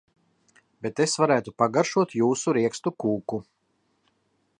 Bet es varētu pagaršotjūsu riekstu kūku.